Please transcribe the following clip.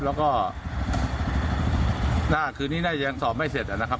แล้วก็หน้าคืนนี้น่าจะยังสอบไม่เสร็จนะครับ